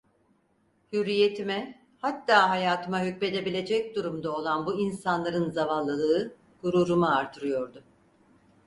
Hürriyetime, hatta hayatıma hükmedebilecek durumda olan bu insanların zavallılığı gururumu artırıyordu.